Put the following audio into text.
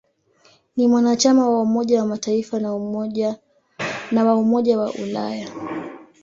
Ni mwanachama wa Umoja wa Mataifa na wa Umoja wa Ulaya.